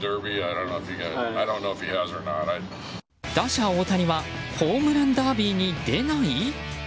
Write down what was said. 打者・大谷はホームランダービーに出ない？